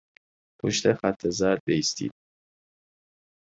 پشت خط زرد بایستید.